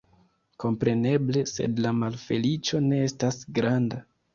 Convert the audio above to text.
Kompreneble, sed la malfeliĉo ne estas granda.